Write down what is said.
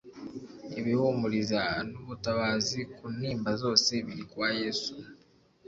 Ibihumuriza n'ubutabazi ku ntimba zose biri kwa Yesu.